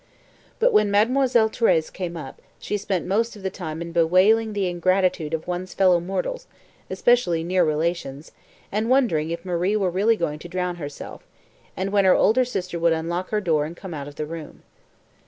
But when Mademoiselle Thérèse came up, she spent most of the time in bewailing the ingratitude of one's fellow mortals, especially near relations, and wondering if Marie were really going to drown herself, and when her sister would unlock her door and come out of the room.